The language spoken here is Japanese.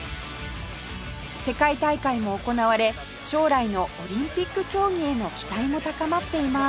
世界大会も行われ将来のオリンピック競技への期待も高まっています